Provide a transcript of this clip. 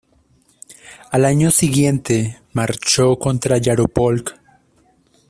Al año siguiente, marchó contra Yaropolk.